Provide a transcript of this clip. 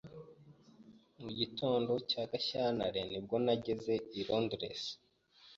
Mu gitondo cya Gashyantare ni bwo nageze i Londres.